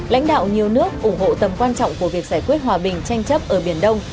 lãnh đạo nhiều nước ủng hộ tầm quan trọng của việc giải quyết hòa bình tranh chấp ở biển đông